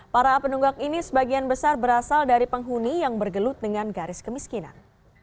para penunggak ini sebagian besar berasal dari penghuni yang bergelut dengan garis kemiskinan